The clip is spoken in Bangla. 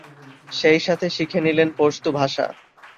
সেই সাথে শিখে নিলেন পশতু ভাষা।